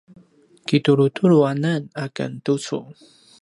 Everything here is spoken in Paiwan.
kitulutulu anan a ken tucu